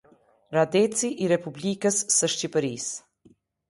Radeci i Republikës së Shqipërisë.